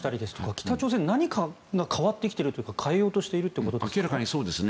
北朝鮮、何かが変わってきているというか変えようとしているということですね。